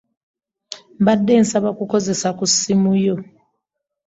Mbadde nsaba kukozesa ku simu yo.